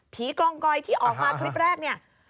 กลองกอยที่ออกมาคลิปแรกเนี่ย